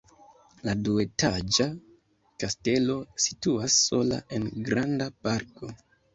La duetaĝa kastelo situas sola en granda parko.